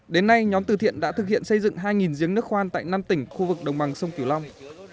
đến nay nhóm từ thiện đã thực hiện xây dựng hai giếng nước khoan tại năm tỉnh khu vực đồng bằng sông kiều long